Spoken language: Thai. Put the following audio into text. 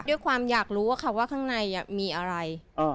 ด้วยความอยากรู้ว่าข้างในมีอะไร